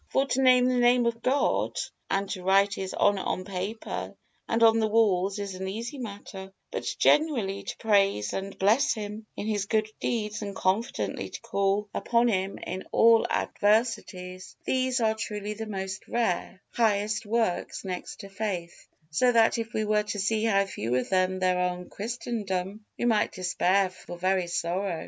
For to name the Name of God and to write His honor on paper and on the walls is an easy matter; but genuinely to praise and bless Him in His good deeds and confidently to call upon Him in all adversities, these are truly the most rare, highest works, next to faith, so that if we were to see how few of them there are in Christendom, we might despair for very sorrow.